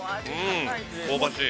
◆香ばしい。